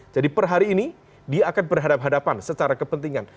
jadi per hari ini dia akan berhadapan hadapan secara kepentingan